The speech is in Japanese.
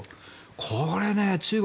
これね、中国